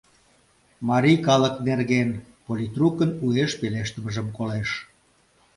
— Марий калык нерген... — политрукын уэш пелештымыжым колеш.